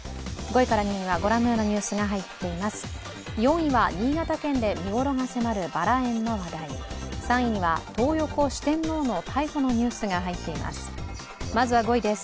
５いから２位はご覧のようなニュースが入っています。